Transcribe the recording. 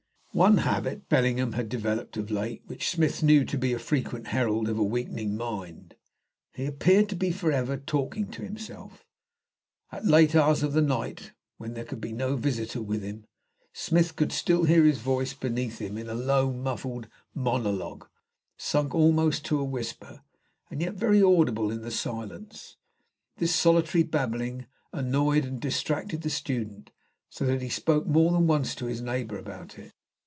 One habit Bellingham had developed of late which Smith knew to be a frequent herald of a weakening mind. He appeared to be forever talking to himself. At late hours of the night, when there could be no visitor with him, Smith could still hear his voice beneath him in a low, muffled monologue, sunk almost to a whisper, and yet very audible in the silence. This solitary babbling annoyed and distracted the student, so that he spoke more than once to his neighbour about it.